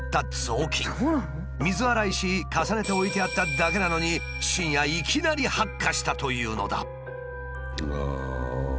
水洗いし重ねて置いてあっただけなのに深夜いきなり発火したというのだ。